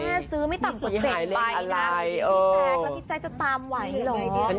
แม่ซื้อไม่ต่ำกว่าเจ็ดใบนะมีแทคแล้วพี่ใจจะตามไหวเหรอ